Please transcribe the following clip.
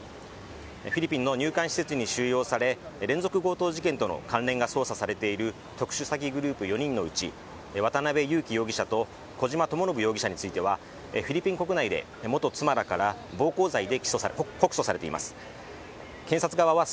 フィリピンの入管施設に収容され、連続強盗事件との関連が捜査されている特殊詐欺グループ４人のうち渡辺優樹容疑者と小島智信容疑者について、フィリピン国内で元妻から暴行罪で告訴されています。